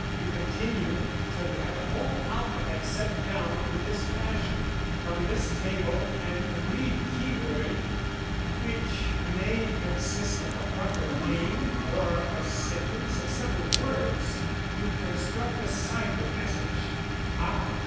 You continue till you have the whole alphabet set down in this fashion. From this table and an agreed keyword, which may consist of a proper name or a sentence of several words, you construct a cipher message." "How?"